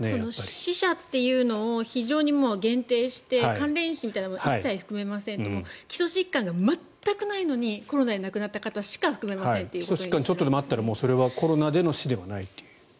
死者というのを非常に限定して関連死みたいなものを一切含めませんって基礎疾患が全くないのにコロナで亡くなった方しか基礎疾患がちょっとでもあったら、それはコロナでの死ではないという。